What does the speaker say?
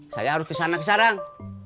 saya harus kesana kesarang